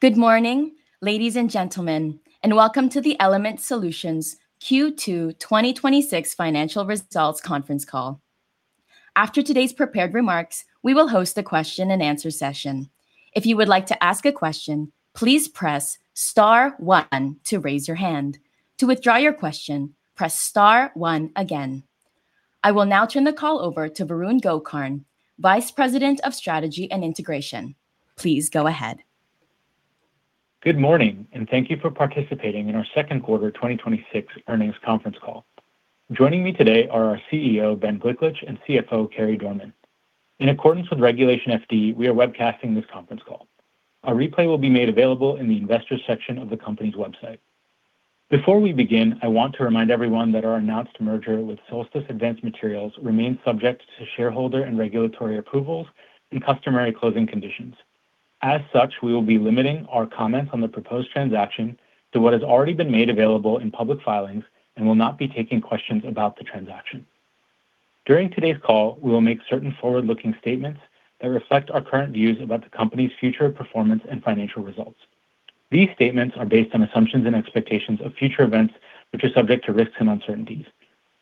Good morning, ladies and gentlemen, welcome to the Element Solutions Q2 2026 financial results conference call. After today's prepared remarks, we will host a question-and-answer session. If you would like to ask a question, please press star one to raise your hand. To withdraw your question, press star one again. I will now turn the call over to Varun Gokarn, Vice President of Strategy and Integration. Please go ahead. Good morning, thank you for participating in our second quarter 2026 earnings conference call. Joining me today are our CEO, Ben Gliklich, and CFO, Carey Dorman. In accordance with Regulation FD, we are webcasting this conference call. A replay will be made available in the Investors section of the company's website. Before we begin, I want to remind everyone that our announced merger with Solstice Advanced Materials remains subject to shareholder and regulatory approvals and customary closing conditions. As such, we will be limiting our comments on the proposed transaction to what has already been made available in public filings and will not be taking questions about the transaction. During today's call, we will make certain forward-looking statements that reflect our current views about the company's future performance and financial results. These statements are based on assumptions and expectations of future events, which are subject to risks and uncertainties.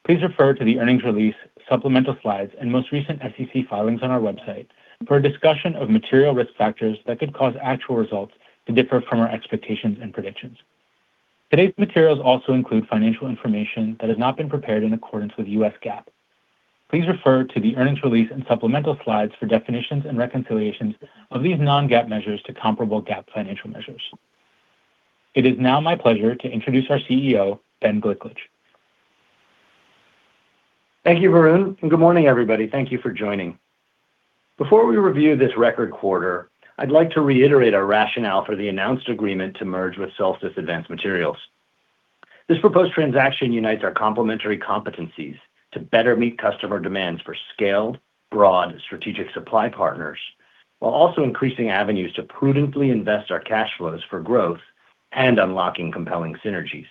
Please refer to the earnings release, supplemental slides, and most recent SEC filings on our website for a discussion of material risk factors that could cause actual results to differ from our expectations and predictions. Today's materials also include financial information that has not been prepared in accordance with U.S. GAAP. Please refer to the earnings release and supplemental slides for definitions and reconciliations of these non-GAAP measures to comparable GAAP financial measures. It is now my pleasure to introduce our CEO, Ben Gliklich. Thank you, Varun. Good morning, everybody. Thank you for joining. Before we review this record quarter, I'd like to reiterate our rationale for the announced agreement to merge with Solstice Advanced Materials. This proposed transaction unites our complementary competencies to better meet customer demands for scaled, broad strategic supply partners, while also increasing avenues to prudently invest our cash flows for growth and unlocking compelling synergies.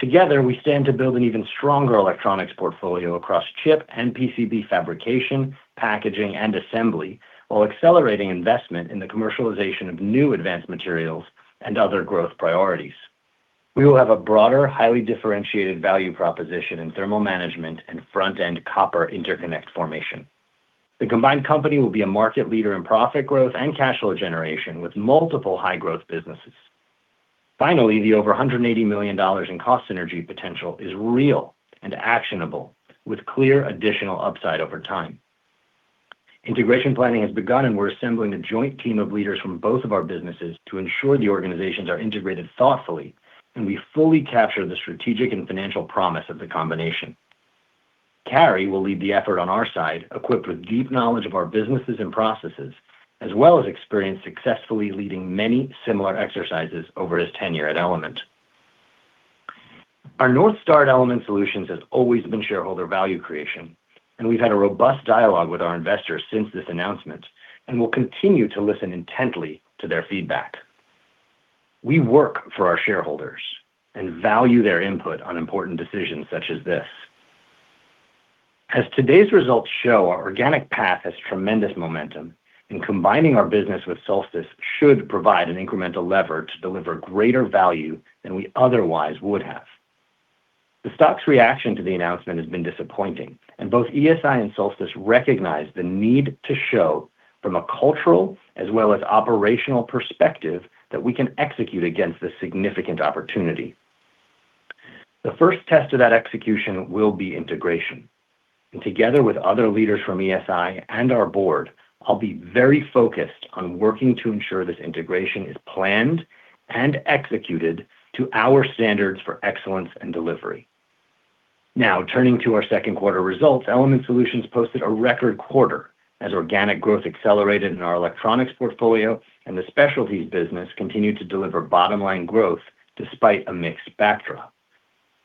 Together, we stand to build an even stronger electronics portfolio across chip and PCB fabrication, packaging, and assembly, while accelerating investment in the commercialization of new advanced materials and other growth priorities. We will have a broader, highly differentiated value proposition in thermal management and front-end copper interconnect formation. The combined company will be a market leader in profit growth and cash flow generation with multiple high-growth businesses. The over $180 million in cost synergy potential is real and actionable with clear additional upside over time. Integration planning has begun, and we're assembling a joint team of leaders from both of our businesses to ensure the organizations are integrated thoughtfully, and we fully capture the strategic and financial promise of the combination. Carey will lead the effort on our side, equipped with deep knowledge of our businesses and processes, as well as experience successfully leading many similar exercises over his tenure at Element. Our North Star at Element Solutions has always been shareholder value creation, and we've had a robust dialogue with our investors since this announcement and will continue to listen intently to their feedback. We work for our shareholders and value their input on important decisions such as this. As today's results show, our organic path has tremendous momentum, and combining our business with Solstice should provide an incremental lever to deliver greater value than we otherwise would have. The stock's reaction to the announcement has been disappointing, and both ESI and Solstice recognize the need to show from a cultural as well as operational perspective that we can execute against this significant opportunity. The first test of that execution will be integration. Together with other leaders from ESI and our Board, I'll be very focused on working to ensure this integration is planned and executed to our standards for excellence and delivery. Turning to our second quarter results, Element Solutions posted a record quarter as organic growth accelerated in our electronics portfolio and the specialties business continued to deliver bottom-line growth despite a mixed backdrop.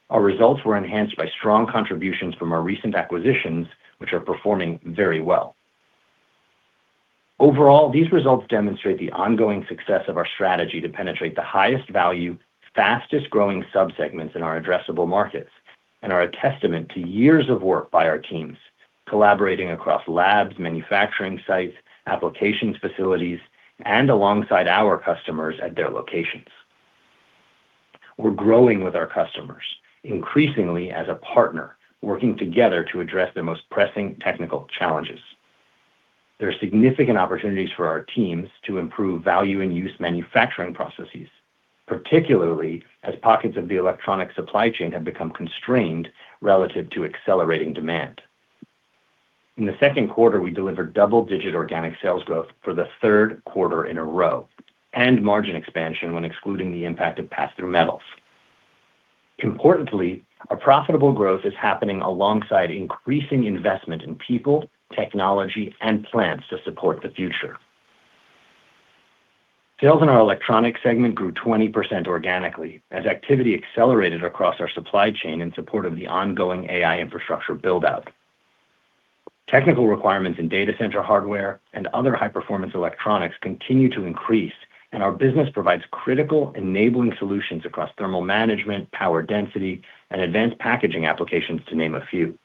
Our results were enhanced by strong contributions from our recent acquisitions, which are performing very well. These results demonstrate the ongoing success of our strategy to penetrate the highest value, fastest-growing subsegments in our addressable markets and are a testament to years of work by our teams, collaborating across labs, manufacturing sites, applications facilities, and alongside our customers at their locations. We're growing with our customers, increasingly as a partner, working together to address their most pressing technical challenges. There are significant opportunities for our teams to improve value and use manufacturing processes, particularly as pockets of the electronic supply chain have become constrained relative to accelerating demand. In the second quarter, we delivered double-digit organic sales growth for the third quarter in a row and margin expansion when excluding the impact of pass-through metals. Our profitable growth is happening alongside increasing investment in people, technology, and plans to support the future. Sales in our Electronics segment grew 20% organically as activity accelerated across our supply chain in support of the ongoing AI infrastructure build-out. Technical requirements in data center hardware and other high-performance electronics continue to increase, and our business provides critical enabling solutions across thermal management, power density, and advanced packaging applications, to name a few.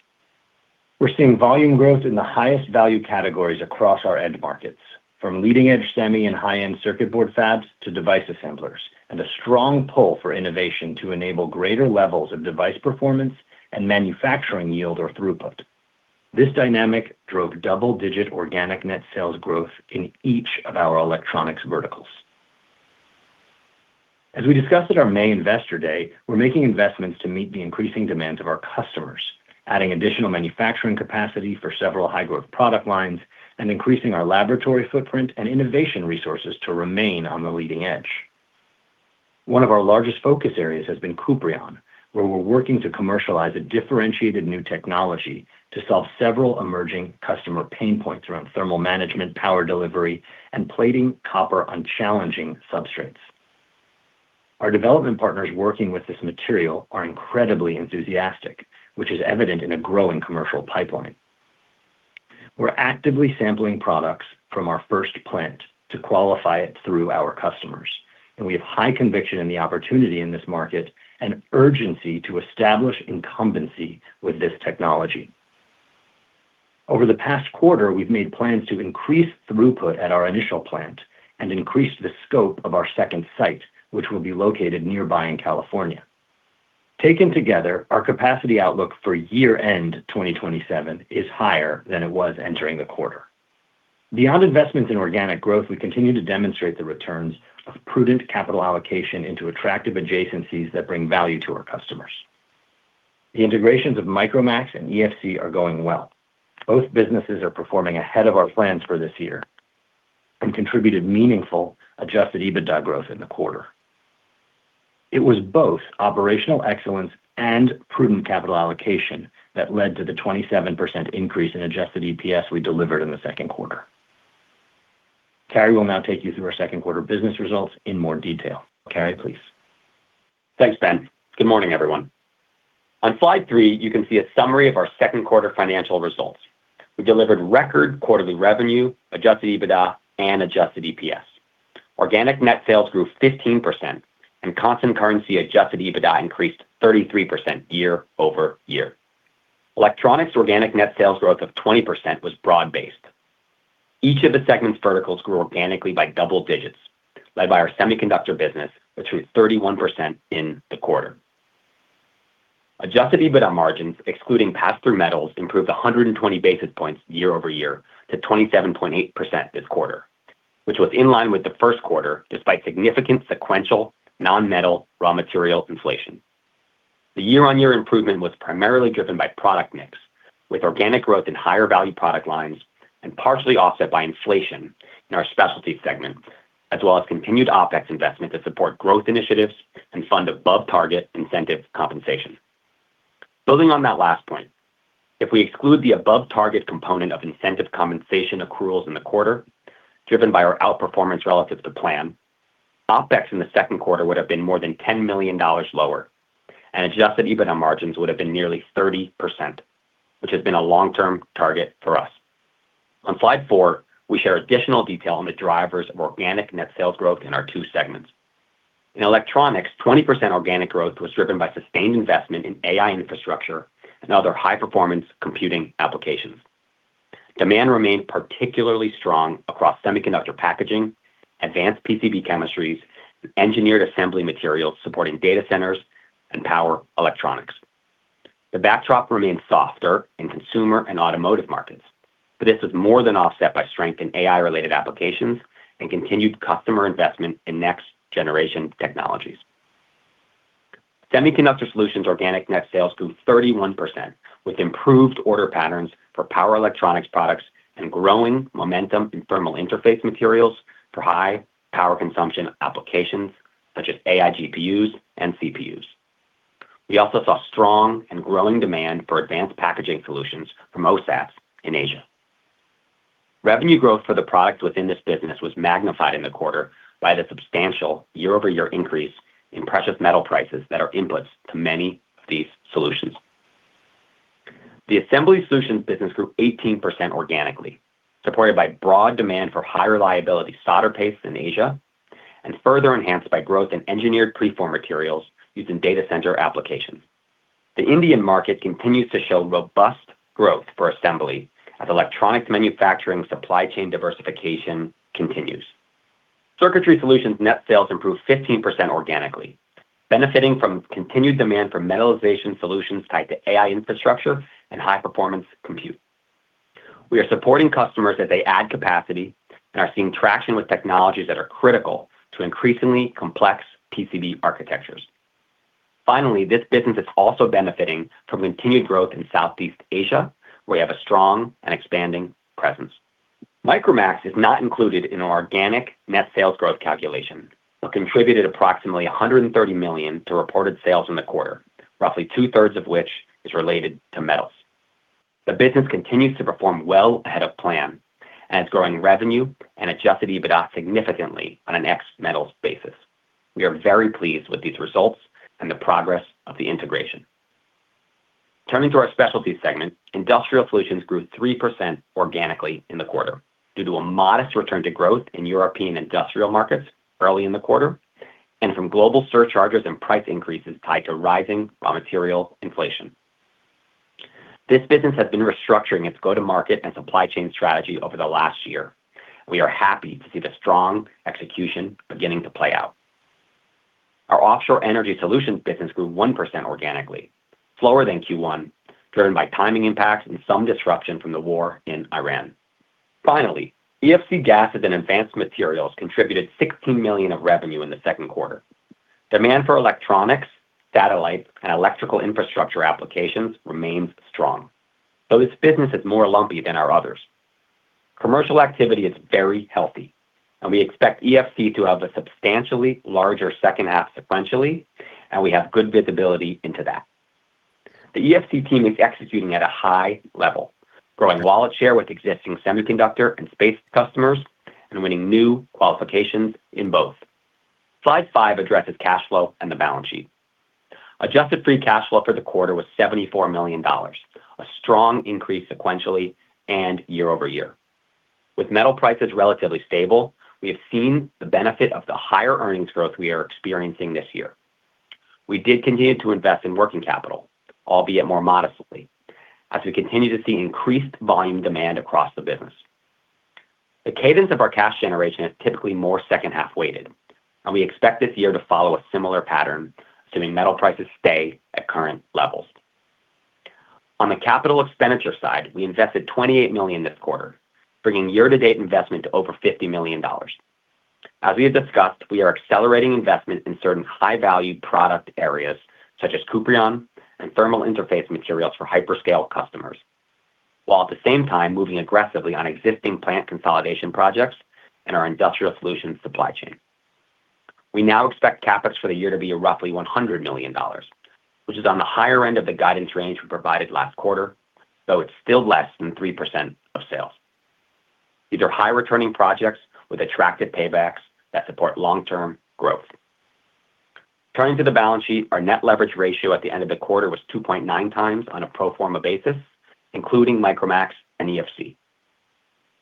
We're seeing volume growth in the highest value categories across our end markets, from leading-edge semi and high-end circuit board fabs to device assemblers, and a strong pull for innovation to enable greater levels of device performance and manufacturing yield or throughput. This dynamic drove double-digit organic net sales growth in each of our electronics verticals. As we discussed at our May Investor Day, we're making investments to meet the increasing demands of our customers, adding additional manufacturing capacity for several high-growth product lines, and increasing our laboratory footprint and innovation resources to remain on the leading edge. One of our largest focus areas has been Cuprion, where we're working to commercialize a differentiated new technology to solve several emerging customer pain points around thermal management, power delivery, and plating copper on challenging substrates. Our development partners working with this material are incredibly enthusiastic, which is evident in a growing commercial pipeline. We're actively sampling products from our first plant to qualify it through our customers, and we have high conviction in the opportunity in this market and urgency to establish incumbency with this technology. Over the past quarter, we've made plans to increase throughput at our initial plant and increase the scope of our second site, which will be located nearby in California. Taken together, our capacity outlook for year-end 2027 is higher than it was entering the quarter. Beyond investments in organic growth, we continue to demonstrate the returns of prudent capital allocation into attractive adjacencies that bring value to our customers. The integrations of Micromax and EFC are going well. Both businesses are performing ahead of our plans for this year and contributed meaningful adjusted EBITDA growth in the quarter. It was both operational excellence and prudent capital allocation that led to the 27% increase in adjusted EPS we delivered in the second quarter. Carey will now take you through our second quarter business results in more detail. Carey, please. Thanks, Ben. Good morning, everyone. On slide three, you can see a summary of our second quarter financial results. We delivered record quarterly revenue, adjusted EBITDA, and adjusted EPS. Organic net sales grew 15%, and constant currency adjusted EBITDA increased 33% year-over-year. Electronics organic net sales growth of 20% was broad-based. Each of the segment's verticals grew organically by double-digits, led by our semiconductor business, which was 31% in the quarter. Adjusted EBITDA margins, excluding pass-through metals, improved 120 basis points year-over-year to 27.8% this quarter, which was in line with the first quarter, despite significant sequential non-metal raw material inflation. The year-on-year improvement was primarily driven by product mix, with organic growth in higher-value product lines and partially offset by inflation in our specialty segment, as well as continued OpEx investment to support growth initiatives and fund above-target incentive compensation. Building on that last point, if we exclude the above-target component of incentive compensation accruals in the quarter, driven by our outperformance relative to plan, OpEx in the second quarter would have been more than $10 million lower, and adjusted EBITDA margins would have been nearly 30%, which has been a long-term target for us. On slide four, we share additional detail on the drivers of organic net sales growth in our two segments. In electronics, 20% organic growth was driven by sustained investment in AI infrastructure and other high-performance computing applications. Demand remained particularly strong across semiconductor packaging, advanced PCB chemistries, and engineered assembly materials supporting data centers and power electronics. This was more than offset by strength in AI-related applications and continued customer investment in next-generation technologies. Semiconductor Solutions organic net sales grew 31%, with improved order patterns for power electronics products and growing momentum in thermal interface materials for high power consumption applications, such as AI GPUs and CPUs. We also saw strong and growing demand for advanced packaging solutions from OSATs in Asia. Revenue growth for the products within this business was magnified in the quarter by the substantial year-over-year increase in precious metal prices that are inputs to many of these solutions. The Assembly Solutions business grew 18% organically, supported by broad demand for higher reliability solder paste in Asia, and further enhanced by growth in engineered preform materials used in data center applications. The Indian market continues to show robust growth for assembly as electronics manufacturing supply chain diversification continues. Circuitry Solutions net sales improved 15% organically, benefiting from continued demand for metallization solutions tied to AI infrastructure and high-performance compute. We are supporting customers as they add capacity and are seeing traction with technologies that are critical to increasingly complex PCB architectures. Finally, this business is also benefiting from continued growth in Southeast Asia, where we have a strong and expanding presence. Micromax is not included in our organic net sales growth calculation but contributed approximately $130 million to reported sales in the quarter, roughly two-thirds of which is related to metals. The business continues to perform well ahead of plan and is growing revenue and adjusted EBITDA significantly on an ex metals basis. We are very pleased with these results and the progress of the integration. Turning to our Specialty segment, Industrial Solutions grew 3% organically in the quarter due to a modest return to growth in European industrial markets early in the quarter From global surcharges and price increases tied to rising raw material inflation. This business has been restructuring its go-to-market and supply chain strategy over the last year. We are happy to see the strong execution beginning to play out. Our Offshore Energy Solutions business grew 1% organically, slower than Q1, driven by timing impacts and some disruption from the war in Iran. Finally, EFC Gases & Advanced Materials contributed $16 million of revenue in the second quarter. Demand for electronics, satellites, and electrical infrastructure applications remains strong, though this business is lumpier than our others. Commercial activity is very healthy, and we expect EFC to have a substantially larger second half sequentially, and we have good visibility into that. The EFC team is executing at a high level, growing wallet share with existing semiconductor and space customers, and winning new qualifications in both. Slide five addresses cash flow and the balance sheet. Adjusted free cash flow for the quarter was $74 million, a strong increase sequentially and year-over-year. With metal prices relatively stable, we have seen the benefit of the higher earnings growth we are experiencing this year. We did continue to invest in working capital, albeit more modestly, as we continue to see increased volume demand across the business. The cadence of our cash generation is typically more second-half weighted, and we expect this year to follow a similar pattern assuming metal prices stay at current levels. On the capital expenditure side, we invested $28 million this quarter, bringing year-to-date investment to over $50 million. As we have discussed, we are accelerating investment in certain high-value product areas such as Cuprion and thermal interface materials for hyperscale customers, while at the same time moving aggressively on existing plant consolidation projects and our Industrial Solutions supply chain. We now expect CapEx for the year to be roughly $100 million, which is on the higher end of the guidance range we provided last quarter, though it's still less than 3% of sales. These are high-returning projects with attractive paybacks that support long-term growth. Turning to the balance sheet, our net leverage ratio at the end of the quarter was 2.9x on a pro forma basis, including Micromax and EFC.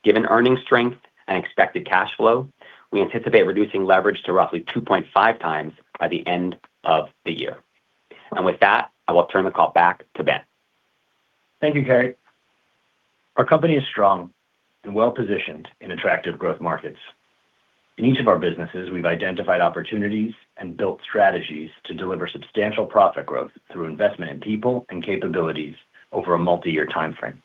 Given earnings strength and expected cash flow, we anticipate reducing leverage to roughly 2.5x by the end of the year. With that, I will turn the call back to Ben. Thank you, Carey. Our company is strong and well-positioned in attractive growth markets. In each of our businesses, we've identified opportunities and built strategies to deliver substantial profit growth through investment in people and capabilities over a multi-year timeframe.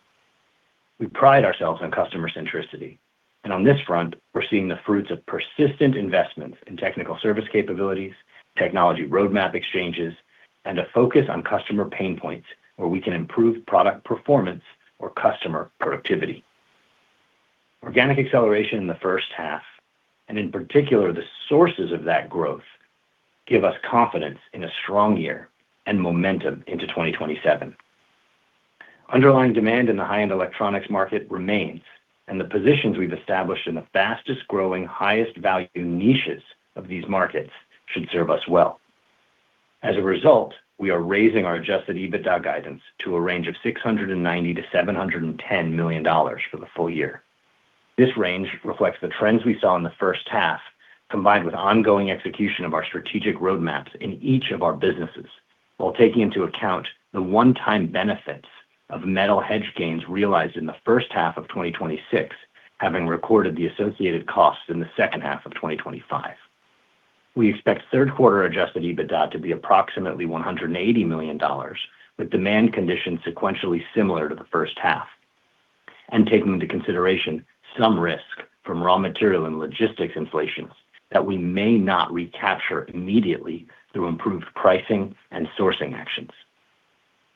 We pride ourselves on customer centricity. On this front, we're seeing the fruits of persistent investments in technical service capabilities, technology roadmap exchanges, and a focus on customer pain points where we can improve product performance or customer productivity. Organic acceleration in the first half, in particular, the sources of that growth, give us confidence in a strong year and momentum into 2027. Underlying demand in the high-end electronics market remains. The positions we've established in the fastest-growing, highest-value niches of these markets should serve us well. As a result, we are raising our adjusted EBITDA guidance to a range of $690 million-$710 million for the full-year. This range reflects the trends we saw in the first half, combined with ongoing execution of our strategic roadmaps in each of our businesses while taking into account the one-time benefits of metal hedge gains realized in the first half of 2026, having recorded the associated costs in the second half of 2025. We expect third quarter adjusted EBITDA to be approximately $180 million, with demand conditions sequentially similar to the first half, taking into consideration some risk from raw material and logistics inflations that we may not recapture immediately through improved pricing and sourcing actions.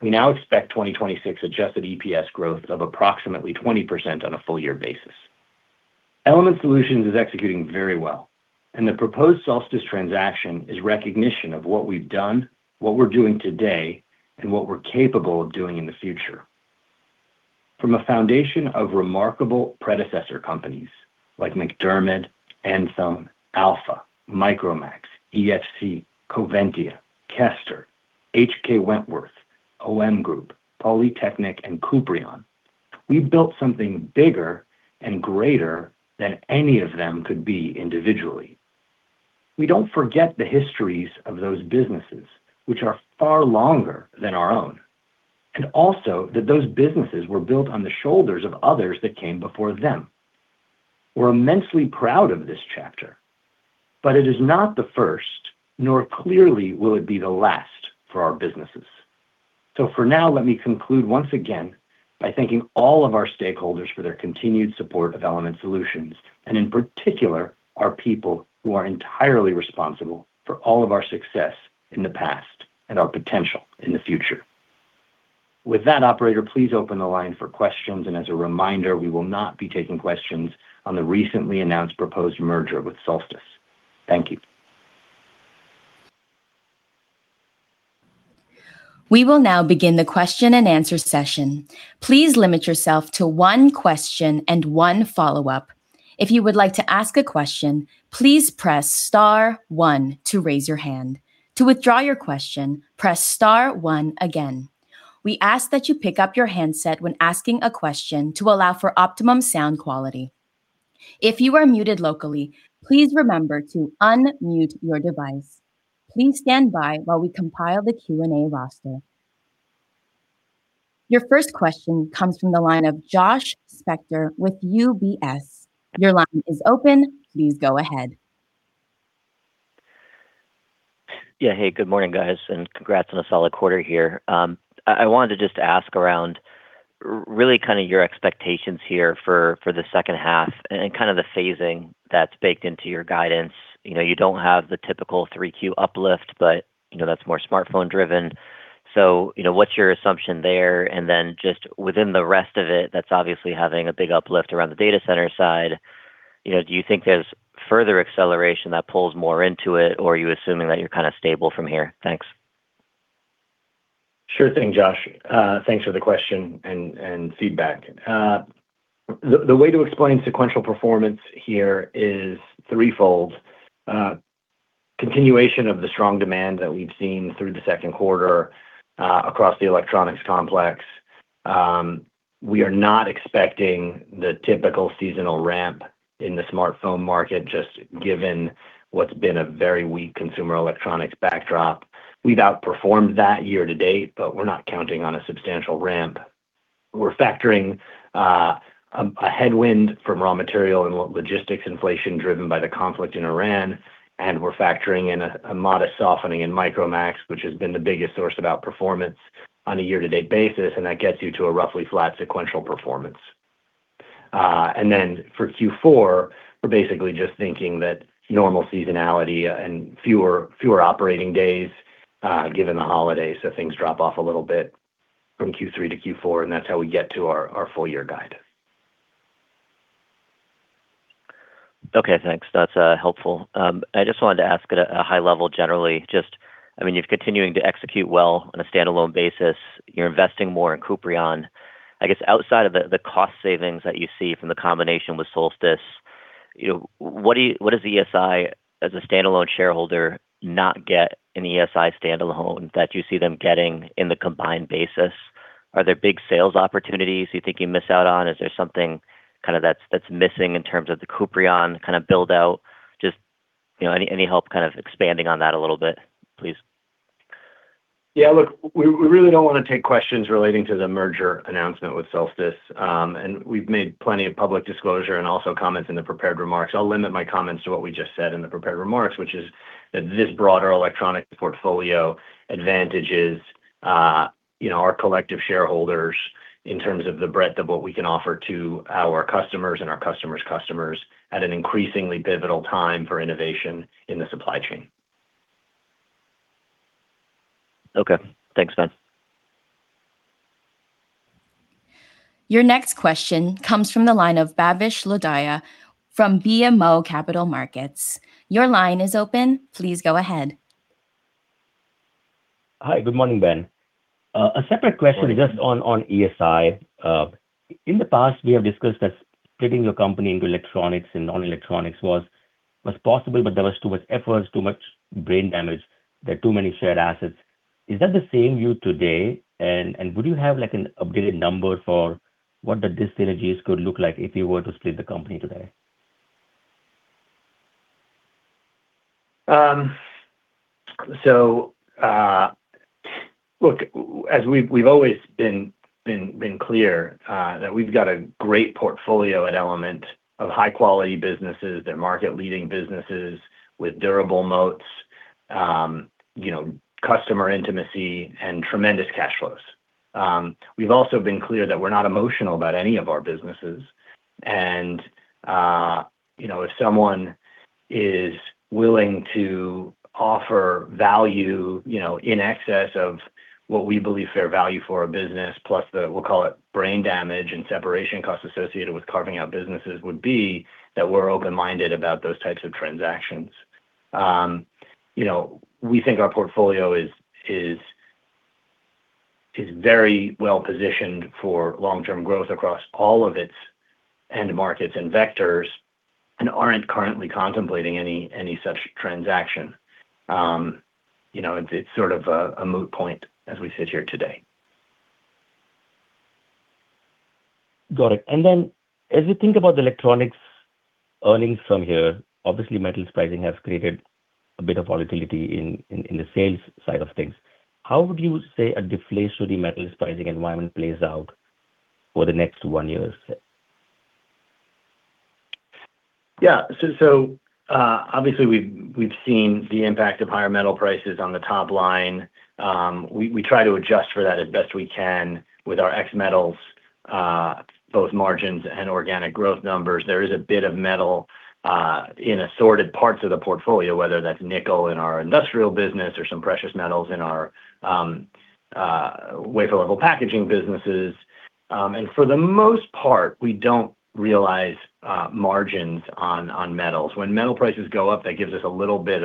We now expect 2026 adjusted EPS growth of approximately 20% on a full-year basis. Element Solutions is executing very well. The proposed Solstice transaction is recognition of what we've done, what we're doing today, and what we're capable of doing in the future. From a foundation of remarkable predecessor companies like MacDermid, Enthone, Alpha, Micromax, EFC, Coventya, Kester, H.K. Wentworth, OM Group, Polytechnic, and Cuprion, we've built something bigger and greater than any of them could be individually. We don't forget the histories of those businesses, which are far longer than our own. Also that those businesses were built on the shoulders of others that came before them. We're immensely proud of this chapter, it is not the first, nor clearly will it be the last for our businesses. For now, let me conclude once again by thanking all of our stakeholders for their continued support of Element Solutions, and in particular, our people who are entirely responsible for all of our success in the past and our potential in the future. With that, operator, please open the line for questions, and as a reminder, we will not be taking questions on the recently announced proposed merger with Solstice. Thank you. We will now begin the question-and-answer session. Please limit yourself to one question and one follow-up. If you would like to ask a question, please press star one to raise your hand. To withdraw your question, press star one again. We ask that you pick up your handset when asking a question to allow for optimum sound quality. If you are muted locally, please remember to unmute your device. Please stand by while we compile the Q&A roster. Your first question comes from the line of Josh Spector with UBS. Your line is open. Please go ahead. Yeah. Hey, good morning, guys, and congrats on a solid quarter here. I wanted to just ask around really your expectations here for the second half and the phasing that's baked into your guidance. You don't have the typical 3Q uplift, but that's more smartphone driven. What's your assumption there? Just within the rest of it, that's obviously having a big uplift around the data center side, do you think there's further acceleration that pulls more into it, or are you assuming that you're stable from here? Thanks. Sure thing, Josh. Thanks for the question and feedback. The way to explain sequential performance here is threefold. Continuation of the strong demand that we've seen through the second quarter, across the electronics complex. We are not expecting the typical seasonal ramp in the smartphone market, just given what's been a very weak consumer electronics backdrop. We've outperformed that year-to-date, but we're not counting on a substantial ramp. We're factoring a headwind from raw material and logistics inflation driven by the conflict in Iran, and we're factoring in a modest softening in Micromax, which has been the biggest source of outperformance on a year-to-date basis, and that gets you to a roughly flat sequential performance. For Q4, we're basically just thinking that normal seasonality and fewer operating days, given the holiday, so things drop off a little bit from Q3 to Q4, and that's how we get to our full-year guide. Okay, thanks. That's helpful. I just wanted to ask at a high level, generally, just you're continuing to execute well on a standalone basis. You're investing more in Cuprion. I guess outside of the cost savings that you see from the combination with Solstice, what does ESI, as a standalone shareholder, not get in ESI standalone that you see them getting in the combined basis? Are there big sales opportunities you think you miss out on? Is there something that's missing in terms of the Cuprion build-out? Just any help expanding on that a little bit, please? Yeah, look, we really don't want to take questions relating to the merger announcement with Solstice. We've made plenty of public disclosure and also comments in the prepared remarks. I'll limit my comments to what we just said in the prepared remarks, which is that this broader electronic portfolio advantages our collective shareholders in terms of the breadth of what we can offer to our customers and our customers' customers at an increasingly pivotal time for innovation in the supply chain. Okay. Thanks, Ben. Your next question comes from the line of Bhavesh Lodaya from BMO Capital Markets. Your line is open. Please go ahead. Hi, good morning, Ben. Morning Just on ESI. In the past, we have discussed that splitting your company into electronics and non-electronics was possible, but there was too much effort, too much brain damage, there are too many shared assets. Is that the same view today? Would you have an updated number for what the dis-synergies could look like if you were to split the company today? Look, as we've always been clear, that we've got a great portfolio at Element of high-quality businesses. They're market leading businesses with durable moats, customer intimacy, and tremendous cash flows. We've also been clear that we're not emotional about any of our businesses. If someone is willing to offer value, in excess of what we believe fair value for our business, plus the, we'll call it brain damage and separation costs associated with carving out businesses would be, that we're open-minded about those types of transactions. We think our portfolio is very well-positioned for long-term growth across all of its end markets and vectors and aren't currently contemplating any such transaction. It's sort of a moot point as we sit here today. Got it. As you think about the Electronics earnings from here, obviously metals pricing has created a bit of volatility in the sales side of things. How would you say a deflationary metal pricing environment plays out for the next one year, say? Yeah. Obviously we've seen the impact of higher metal prices on the top-line. We try to adjust for that as best as we can with our ex metals, both margins and organic growth numbers. There is a bit of metal in assorted parts of the portfolio, whether that's nickel in our Industrial Solutions business or some precious metals in our wafer level packaging businesses. For the most part, we don't realize margins on metals. When metal prices go up, that gives us a little bit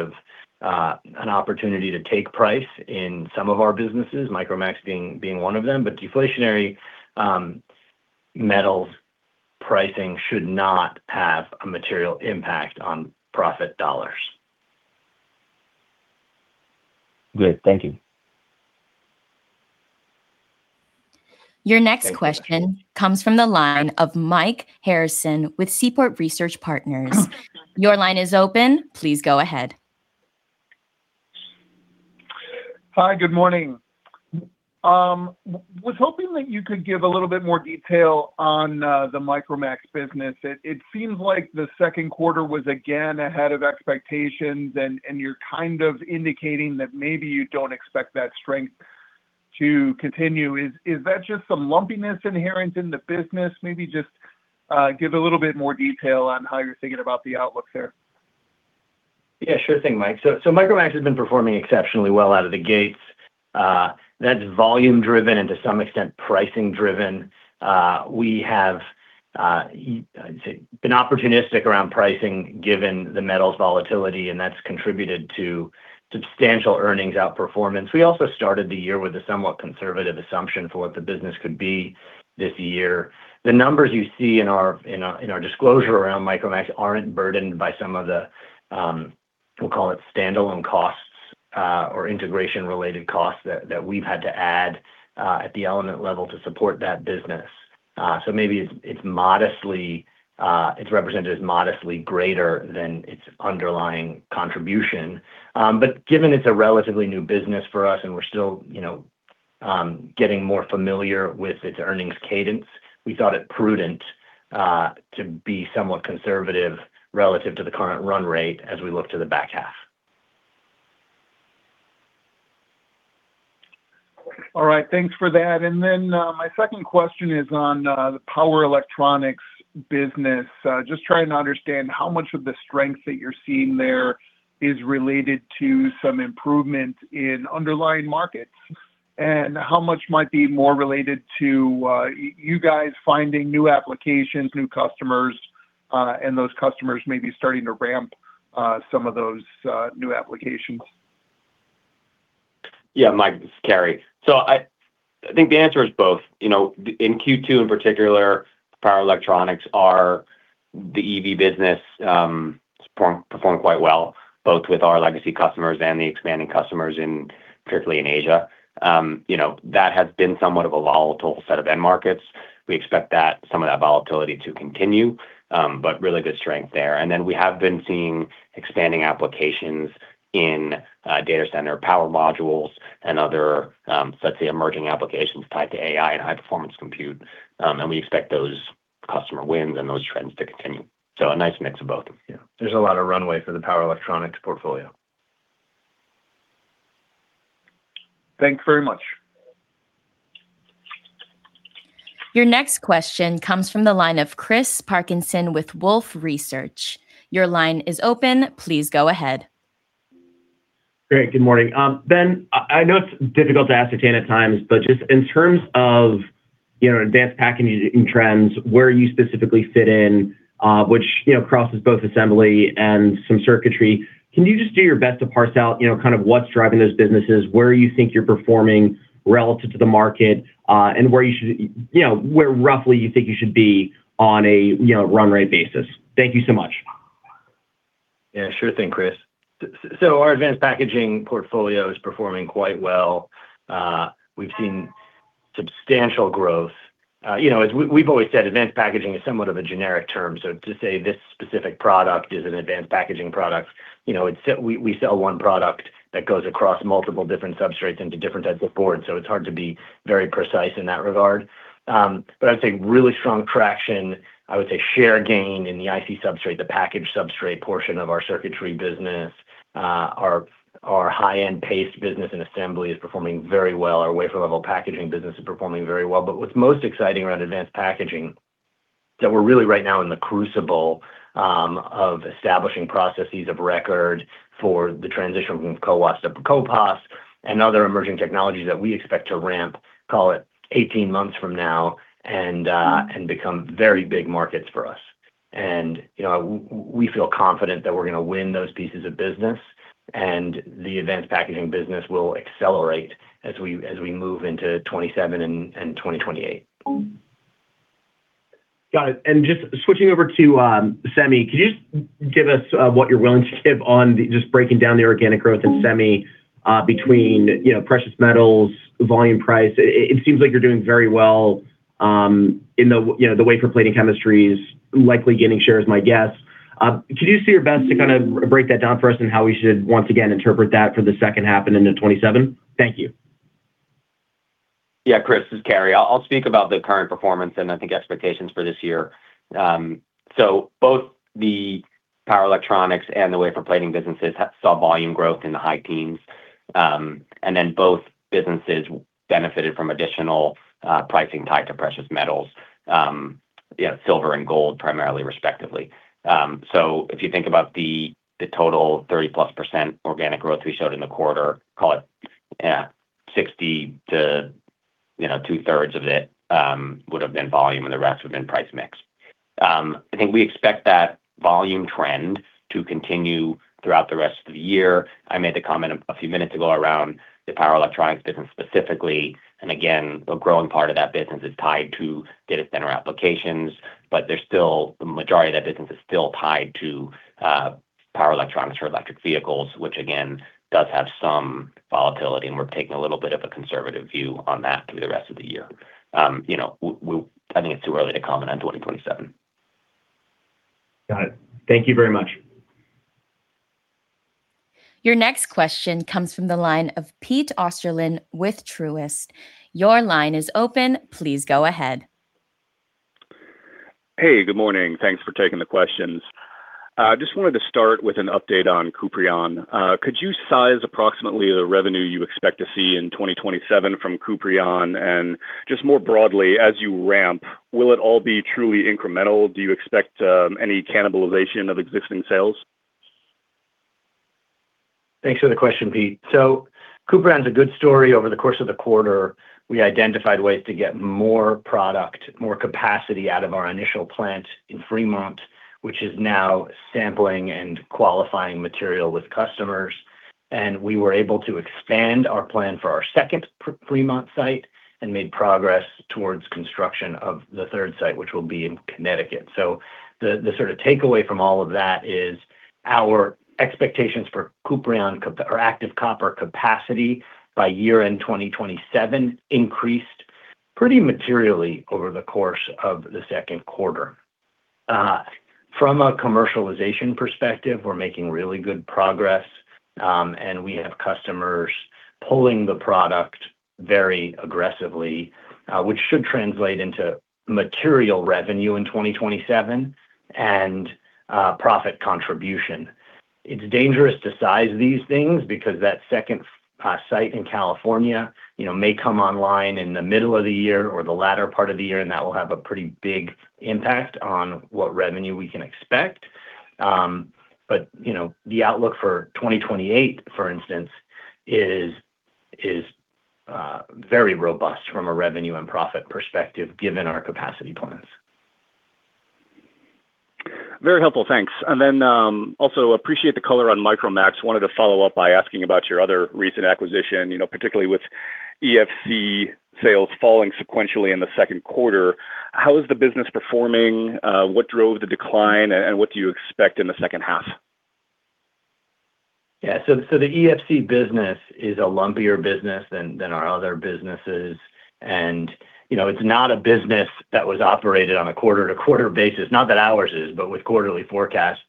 of an opportunity to take price in some of our businesses, Micromax being one of them. Deflationary metals pricing should not have a material impact on profit dollars. Great. Thank you. Your next question comes from the line of Mike Harrison with Seaport Research Partners. Your line is open. Please go ahead. Hi, good morning. Was hoping that you could give a little bit more detail on the Micromax business. It seems like the second quarter was again ahead of expectations, and you're kind of indicating that maybe you don't expect that strength to continue. Is that just some lumpiness inherent in the business? Maybe just give a little bit more detail on how you're thinking about the outlook there. Yeah, sure thing, Mike. Micromax has been performing exceptionally well out of the gates. That's volume driven and to some extent, pricing driven. We have, I'd say, been opportunistic around pricing given the metals volatility, and that's contributed to substantial earnings outperformance. We also started the year with a somewhat conservative assumption for what the business could be this year. The numbers you see in our disclosure around Micromax aren't burdened by some of the, we'll call it standalone costs, or integration related costs that we've had to add at the element level to support that business. Maybe it's represented as modestly greater than its underlying contribution. Given it's a relatively new business for us and we're still getting more familiar with its earnings cadence, we thought it prudent to be somewhat conservative relative to the current run-rate as we look to the back half. All right. Thanks for that. My second question is on the power electronics business. Just trying to understand how much of the strength that you're seeing there is related to some improvement in underlying markets, and how much might be more related to you guys finding new applications, new customers, and those customers maybe starting to ramp some of those new applications. Yeah, Mike, this is Carey. I think the answer is both. In Q2 in particular, power electronics are the EV business, performed quite well, both with our legacy customers and the expanding customers particularly in Asia. That has been somewhat of a volatile set of end markets. We expect some of that volatility to continue, but really good strength there. We have been seeing expanding applications in data center power modules and other, let's say, emerging applications tied to AI and high-performance compute. We expect those customer wins and those trends to continue. A nice mix of both. Yeah. There's a lot of runway for the power electronics portfolio. Thank you very much. Your next question comes from the line of Chris Parkinson with Wolfe Research. Your line is open. Please go ahead. Great. Good morning. Ben, I know it's difficult to ascertain at times, just in terms of advanced packaging trends, where you specifically fit in, which crosses both assembly and some circuitry, can you just do your best to parse out kind of what's driving those businesses, where you think you're performing relative to the market, and where roughly you think you should be on a run-rate basis? Thank you so much. Yeah, sure thing, Chris. Our advanced packaging portfolio is performing quite well. We've seen substantial growth. As we've always said, advanced packaging is somewhat of a generic term. To say this specific product is an advanced packaging product, we sell one product that goes across multiple different substrates into different types of boards, so it's hard to be very precise in that regard. I would say really strong traction, I would say share gain in the IC substrate, the package substrate portion of our circuitry business. Our high-end paste business and assembly is performing very well. Our wafer level packaging business is performing very well. What's most exciting around advanced packaging, that we're really right now in the crucible of establishing processes of record for the transition from CoWoS to CoPoS and other emerging technologies that we expect to ramp, call it 18 months from now, and become very big markets for us. We feel confident that we're going to win those pieces of business, and the advanced packaging business will accelerate as we move into 2027 and 2028. Got it. Just switching over to semi, could you just give us what you're willing to give on just breaking down the organic growth in semi between precious metals, volume price? It seems like you're doing very well in the wafer plating chemistries, likely gaining share is my guess. Could you do your best to kind of break that down for us and how we should once again interpret that for the second half and into 2027? Thank you. Chris, this is Carey. I'll speak about the current performance and I think expectations for this year. Both the power electronics and the wafer plating businesses saw volume growth in the high teens. Both businesses benefited from additional pricing tied to precious metals, silver and gold primarily, respectively. If you think about the total 30+% organic growth we showed in the quarter, call it 60% to two-thirds of it would have been volume and the rest would've been price mix. I think we expect that volume trend to continue throughout the rest of the year. I made the comment a few minutes ago around the power electronics business specifically. Again, a growing part of that business is tied to data center applications, the majority of that business is still tied to power electronics for electric vehicles, which again, does have some volatility. We're taking a little bit of a conservative view on that through the rest of the year. I think it's too early to comment on 2027. Got it. Thank you very much. Your next question comes from the line of Pete Osterland with Truist. Your line is open. Please go ahead. Hey, good morning. Thanks for taking the questions. Just wanted to start with an update on Cuprion. Could you size approximately the revenue you expect to see in 2027 from Cuprion? Just more broadly, as you ramp, will it all be truly incremental? Do you expect any cannibalization of existing sales? Thanks for the question, Pete. Cuprion's a good story. Over the course of the quarter, we identified ways to get more product, more capacity out of our initial plant in Fremont, which is now sampling and qualifying material with customers. We were able to expand our plan for our second Fremont site and made progress towards construction of the third site, which will be in Connecticut. The takeaway from all of that is our expectations for Cuprion or active copper capacity by year-end 2027 increased pretty materially over the course of the second quarter. From a commercialization perspective, we're making really good progress, and we have customers pulling the product very aggressively, which should translate into material revenue in 2027 and profit contribution. It's dangerous to size these things because that second site in California may come online in the middle of the year or the latter part of the year, and that will have a pretty big impact on what revenue we can expect. The outlook for 2028, for instance, is very robust from a revenue and profit perspective given our capacity plans. Very helpful. Thanks. Also appreciate the color on Micromax. Wanted to follow up by asking about your other recent acquisition, particularly with EFC sales falling sequentially in the second quarter. How is the business performing? What drove the decline, and what do you expect in the second half? The EFC business is a lumpier business than our other businesses, and it's not a business that was operated on a quarter-to-quarter basis. Not that ours is, but with quarterly forecasts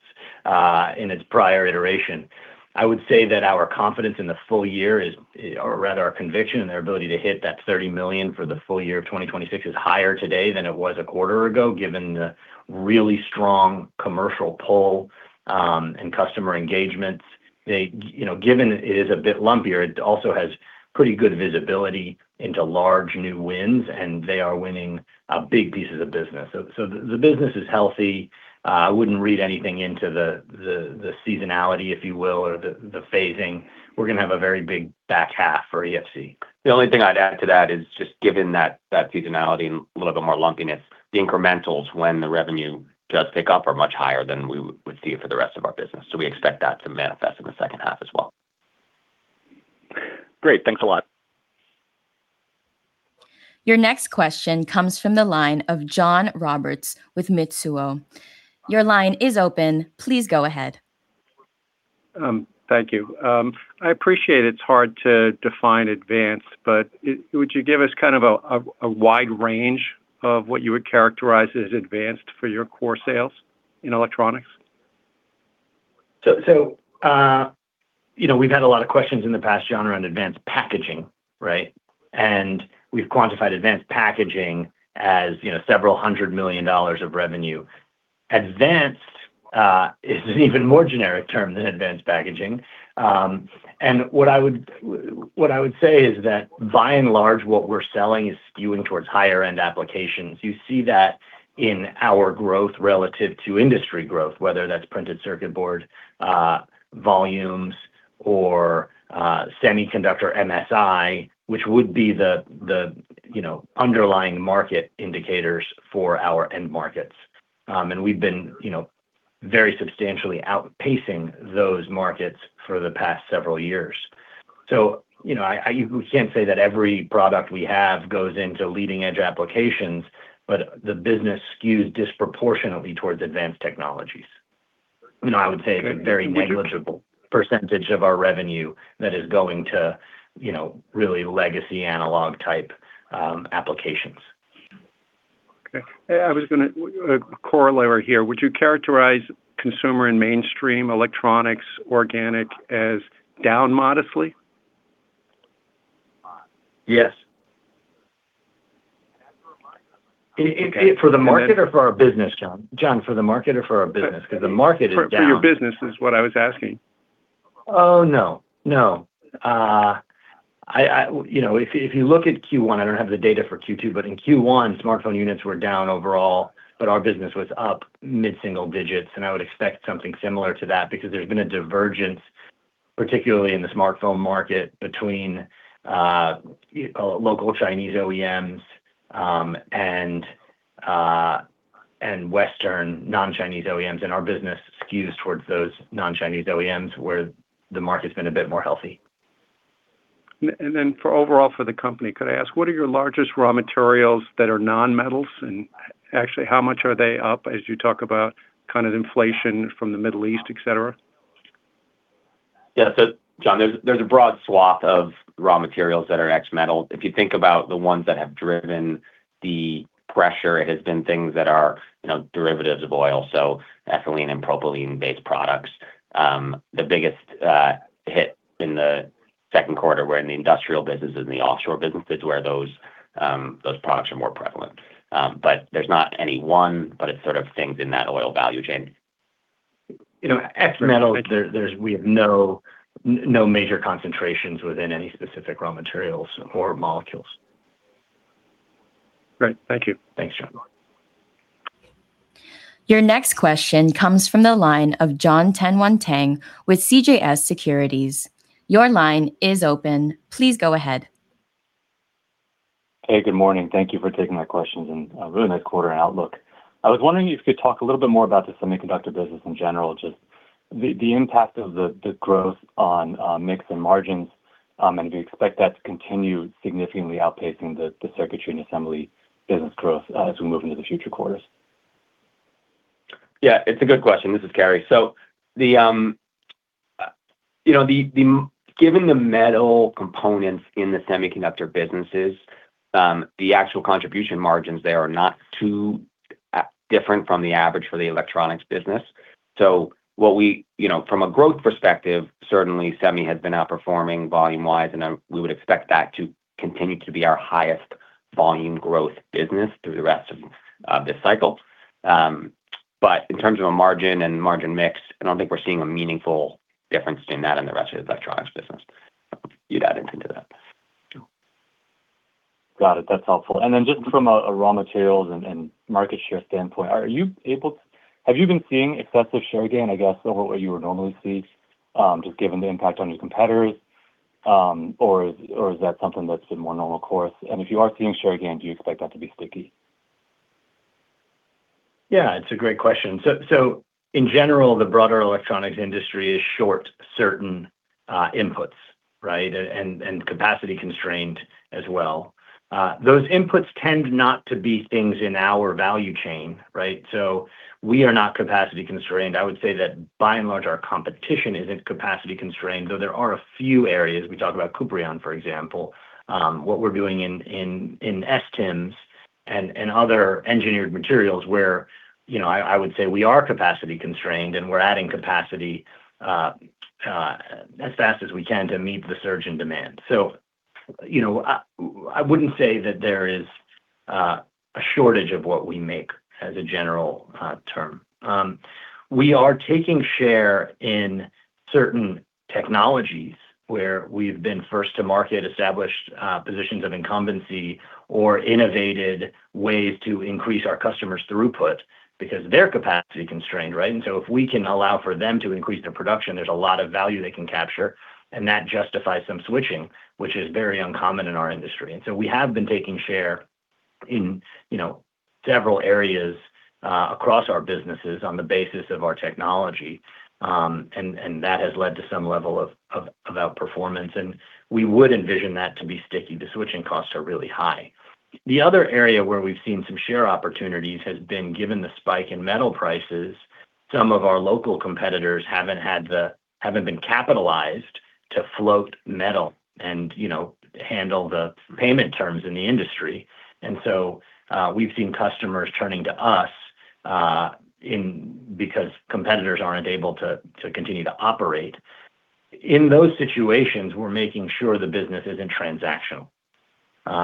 in its prior iteration. I would say that our confidence in the full-year is, or rather our conviction in their ability to hit that $30 million for the full-year of 2026 is higher today than it was a quarter ago, given the really strong commercial pull and customer engagements. Given it is a bit lumpier, it also has pretty good visibility into large new wins, and they are winning big pieces of business. The business is healthy. I wouldn't read anything into the seasonality, if you will, or the phasing. We're going to have a very big back half for EFC. The only thing I'd add to that is just given that seasonality and a little bit more lumpiness, the incrementals when the revenue does pick up are much higher than we would see for the rest of our business. We expect that to manifest in the second half as well. Great. Thanks a lot. Your next question comes from the line of John Roberts with Mizuho. Your line is open. Please go ahead. Thank you. I appreciate it's hard to define advanced, but would you give us kind of a wide range of what you would characterize as advanced for your core sales in electronics? We've had a lot of questions in the past, John, around advanced packaging, right? We've quantified advanced packaging as several hundred million dollars of revenue. Advanced is an even more generic term than advanced packaging. What I would say is that by and large, what we're selling is skewing towards higher end applications. You see that in our growth relative to industry growth, whether that's printed circuit board volumes or semiconductor MSI, which would be the underlying market indicators for our end markets. We've been very substantially outpacing those markets for the past several years. You can't say that every product we have goes into leading-edge applications, but the business skews disproportionately towards advanced technologies. I would say a very negligible percentage of our revenue that is going to really legacy analog type applications. Okay. I was going to corollary here. Would you characterize consumer and mainstream electronics organic as down modestly? Yes. For the market or for our business, John? John, for the market or for our business? Because the market is down. For your business is what I was asking. Oh, no. No. If you look at Q1, I don't have the data for Q2, but in Q1, smartphone units were down overall, but our business was up mid-single digits, and I would expect something similar to that because there's been a divergence, particularly in the smartphone market between local Chinese OEMs and Western non-Chinese OEMs, and our business skews towards those non-Chinese OEMs where the market's been a bit more healthy. Then for overall for the company, could I ask, what are your largest raw materials that are non-metals? Actually, how much are they up as you talk about kind of inflation from the Middle East, et cetera? Yeah. John, there's a broad swath of raw materials that are ex metal. If you think about the ones that have driven the pressure, it has been things that are derivatives of oil, so ethylene and propylene-based products. The biggest hit in the second quarter were in the industrial businesses and the offshore businesses, where those products are more prevalent. There's not any one, but it's things in that oil value chain. Ex metal, we have no major concentrations within any specific raw materials or molecules. Great. Thank you. Thanks, John. Your next question comes from the line of John Tanwanteng with CJS Securities. Your line is open. Please go ahead. Hey, good morning. Thank you for taking my questions. Really nice quarter and outlook. I was wondering if you could talk a little bit more about the semiconductor business in general, just the impact of the growth on mix and margins. Do you expect that to continue significantly outpacing the circuitry and assembly business growth as we move into the future quarters? Yeah, it's a good question. This is Carey. Given the metal components in the semiconductor businesses, the actual contribution margins there are not too different from the average for the electronics business. From a growth perspective, certainly semi has been outperforming volume-wise, we would expect that to continue to be our highest volume growth business through the rest of this cycle. In terms of a margin and margin mix, I don't think we're seeing a meaningful difference between that and the rest of the electronics business. You add anything to that? Got it. That's helpful. Then just from a raw materials and market share standpoint, have you been seeing excessive share gain, I guess, over what you would normally see, just given the impact on your competitors? Is that something that's been more normal course? If you are seeing share gain, do you expect that to be sticky? Yeah, it's a great question. In general, the broader electronics industry is short certain inputs. Capacity constrained as well. Those inputs tend not to be things in our value chain. We are not capacity constrained. I would say that by and large, our competition isn't capacity constrained, though there are a few areas. We talk about Cuprion, for example. What we're doing in STIMs and other engineered materials where I would say we are capacity constrained, and we're adding capacity as fast as we can to meet the surge in demand. I wouldn't say that there is a shortage of what we make as a general term. We are taking share in certain technologies where we've been first to market, established positions of incumbency, or innovated ways to increase our customers' throughput because they're capacity constrained, right? If we can allow for them to increase their production, there's a lot of value they can capture, and that justifies some switching, which is very uncommon in our industry. We have been taking share in several areas across our businesses on the basis of our technology, and that has led to some level of outperformance, and we would envision that to be sticky. The switching costs are really high. The other area where we've seen some share opportunities has been given the spike in metal prices. Some of our local competitors haven't been capitalized to float metal and handle the payment terms in the industry. We've seen customers turning to us, because competitors aren't able to continue to operate. In those situations, we're making sure the business isn't transactional,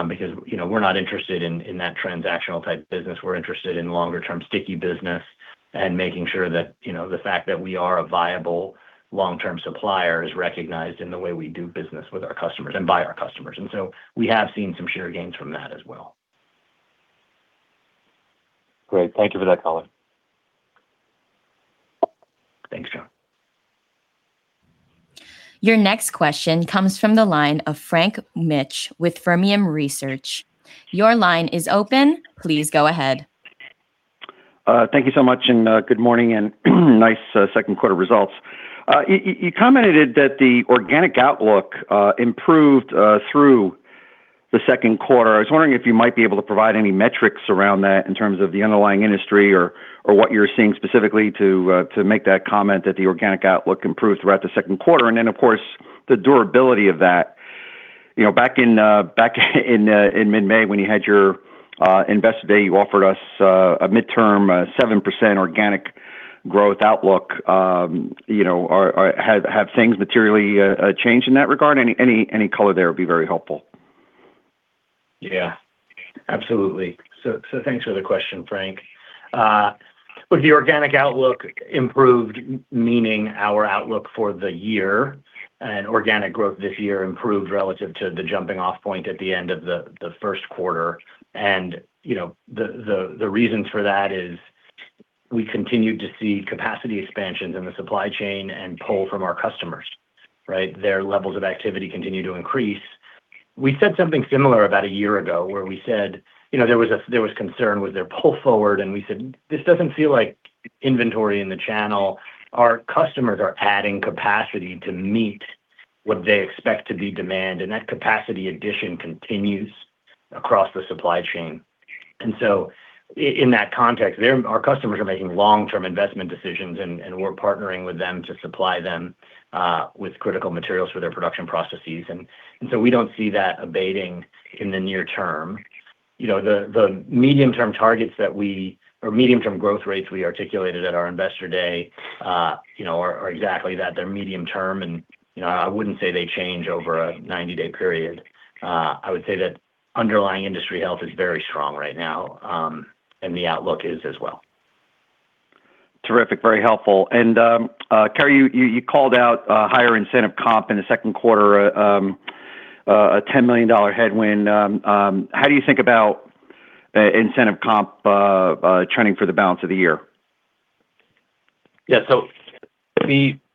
because we're not interested in that transactional type business. We're interested in longer-term sticky business and making sure that the fact that we are a viable long-term supplier is recognized in the way we do business with our customers and by our customers. We have seen some share gains from that as well. Great. Thank you for that color. Thanks, John. Your next question comes from the line of Frank Mitsch with Fermium Research. Your line is open. Please go ahead. Thank you so much. Good morning, and nice second quarter results. You commented that the organic outlook improved through the second quarter. I was wondering if you might be able to provide any metrics around that in terms of the underlying industry or what you're seeing specifically to make that comment that the organic outlook improved throughout the second quarter. Then, of course, the durability of that. Back in mid-May when you had your Investor Day, you offered us a midterm 7% organic growth outlook. Have things materially changed in that regard? Any color there would be very helpful. Absolutely. Thanks for the question, Frank. With the organic outlook improved, meaning our outlook for the year, organic growth this year improved relative to the jumping-off point at the end of the first quarter. The reasons for that is we continued to see capacity expansions in the supply chain and pull from our customers. Their levels of activity continue to increase. We said something similar about a year ago where we said there was concern with their pull forward and we said, this doesn't feel like inventory in the channel. Our customers are adding capacity to meet what they expect to be demand, that capacity addition continues across the supply chain. In that context, our customers are making long-term investment decisions, we're partnering with them to supply them with critical materials for their production processes. We don't see that abating in the near term. The medium-term targets or medium-term growth rates we articulated at our Investor Day, are exactly that. They're medium-term, I wouldn't say they change over a 90-day period. I would say that underlying industry health is very strong right now, the outlook is as well. Terrific, very helpful. Carey, you called out higher incentive comp in the second quarter, a $10 million headwind. How do you think about incentive comp trending for the balance of the year?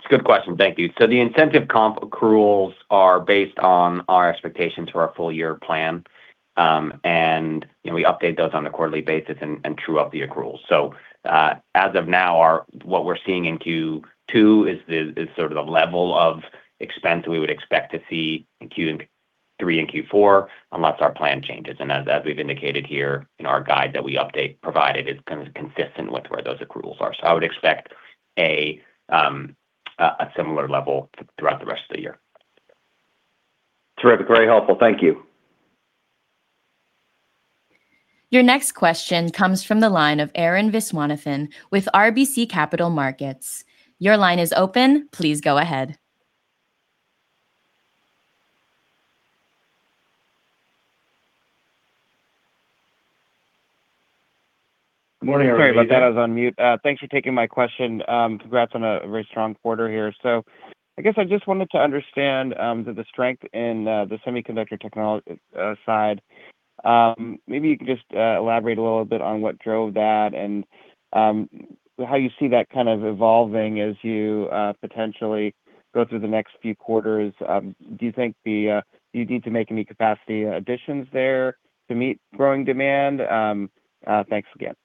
Good question. Thank you. The incentive comp accruals are based on our expectations for our full-year plan. We update those on a quarterly basis and true up the accruals. As of now, what we're seeing in Q2 is sort of the level of expense we would expect to see in Q3 and Q4, unless our plan changes. As we've indicated here in our guide that we update provided is kind of consistent with where those accruals are. I would expect a similar level throughout the rest of the year. Terrific. Very helpful. Thank you. Your next question comes from the line of Arun Viswanathan with RBC Capital Markets. Your line is open. Please go ahead. Morning. Sorry about that. I was on mute. Thanks for taking my question. Congrats on a very strong quarter here. I guess I just wanted to understand the strength in the semiconductor technology side. Maybe you could just elaborate a little bit on what drove that and how you see that kind of evolving as you potentially go through the next few quarters. Do you think you need to make any capacity additions there to meet growing demand? Thanks again.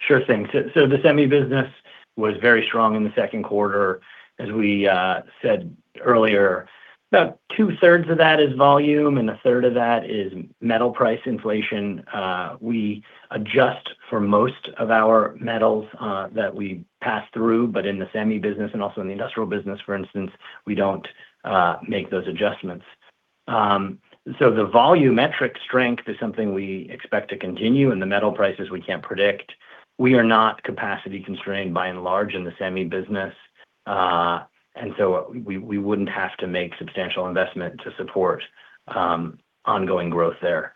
Sure thing. The semi business was very strong in the second quarter, as we said earlier. About two-thirds of that is volume and a third of that is metal price inflation. We adjust for most of our metals that we pass through. In the semi business and also in the industrial business, for instance, we don't make those adjustments. The volumetric strength is something we expect to continue. The metal prices we can't predict. We are not capacity constrained by and large in the semi business. We wouldn't have to make substantial investment to support ongoing growth there.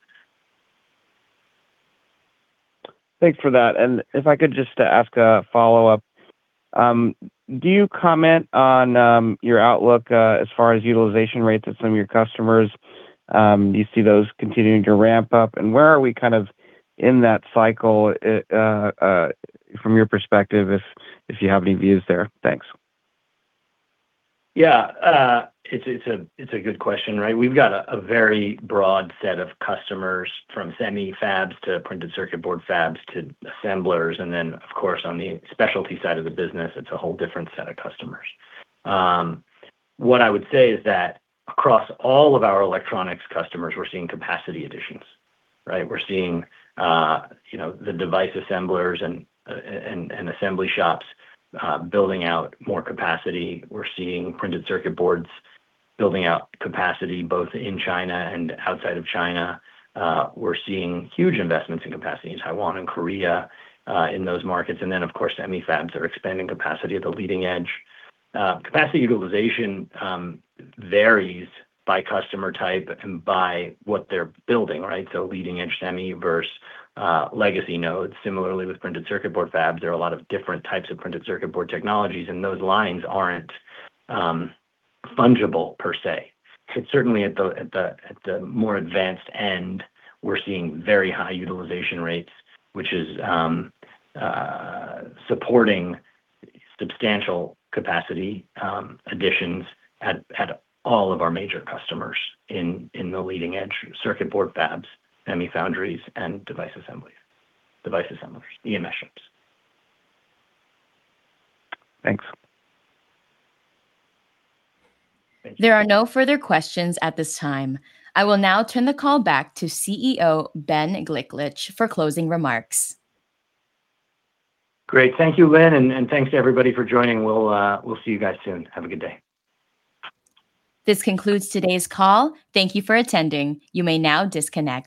Thanks for that. If I could just ask a follow-up. Do you comment on your outlook as far as utilization rates at some of your customers? Do you see those continuing to ramp-up, and where are we in that cycle from your perspective, if you have any views there? Thanks. Yeah. It's a good question, right? We've got a very broad set of customers, from semi fabs to printed circuit board fabs to assemblers. Of course, on the specialty side of the business, it's a whole different set of customers. What I would say is that across all of our electronics customers, we're seeing capacity additions, right? We're seeing the device assemblers and assembly shops building out more capacity. We're seeing printed circuit boards building out capacity both in China and outside of China. We're seeing huge investments in capacity in Taiwan and Korea, in those markets. Of course, semi fabs are expanding capacity at the leading edge. Capacity utilization varies by customer type and by what they're building, right? Leading-edge semi versus legacy nodes. Similarly, with printed circuit board fabs, there are a lot of different types of printed circuit board technologies. Those lines aren't fungible per se. Certainly at the more advanced end, we're seeing very high utilization rates, which is supporting substantial capacity additions at all of our major customers in the leading edge circuit board fabs, semi foundries, and device assemblers, EMS shops. Thanks. There are no further questions at this time. I will now turn the call back to CEO Ben Gliklich for closing remarks. Great. Thank you, Lynn. Thanks to everybody for joining. We'll see you guys soon. Have a good day. This concludes today's call. Thank you for attending. You may now disconnect.